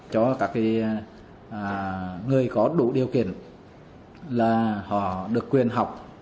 cho các người có đủ điều kiện là họ được quyền học